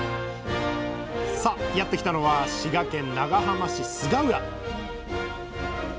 さあやって来たのは滋賀県長浜市菅浦